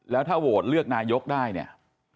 แล้วถ้าโหวตเลือกนายกได้เนี่ย